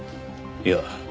いや。